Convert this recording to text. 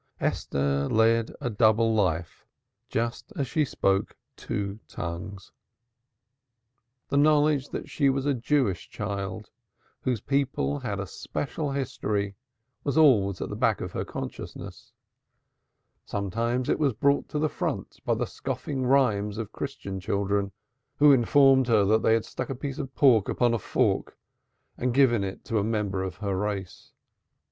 Esther led a double life, just as she spoke two tongues. The knowledge that she was a Jewish child, whose people had had a special history, was always at the back of her consciousness; sometimes it was brought to the front by the scoffing rhymes of Christian children, who informed her that they had stuck a piece of pork upon a fork and given it to a member of her race.